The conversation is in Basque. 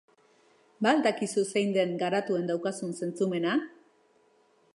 Ba al dakizu zein den garatuen daukazun zentzumena?